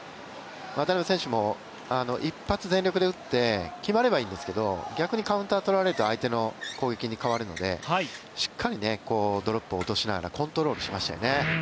渡辺選手も、一発全力で打って決まればいいんですけど逆にカウンターをとられると相手の攻撃に変わるのでしっかり、ドロップを落としながらコントロールをしましたよね。